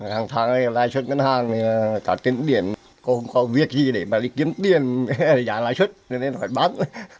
hàng tháng lại xuất ngân hàng thả tiền tiền không có việc gì để mà đi kiếm tiền giả lại xuất nên là phải bán